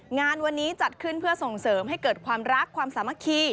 งานวันนี้จัดขึ้นเพื่อส่งเสริมให้เกิดความรักความสามัคคี